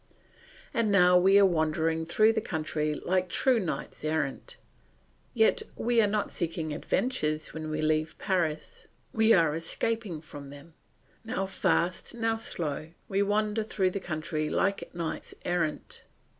And now we are wandering through the country like true knights errant; yet we are not seeking adventures when we leave Paris; we are escaping from them; now fast now slow, we wander through the country like knights errants.